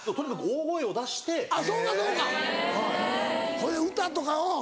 ほいで歌とかうん。